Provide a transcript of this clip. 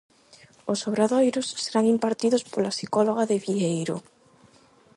Os obradoiros serán impartidos pola psicóloga de Vieiro.